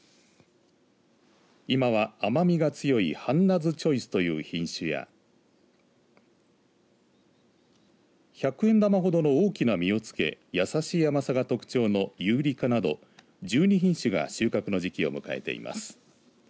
今は甘みが強いハンナズチョイスという品種や１００円玉ほどの大きな実をつけ優しい甘さが特徴のユーリカなど１２品種が収穫の時期を迎えています。